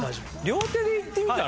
両手でいってみたら？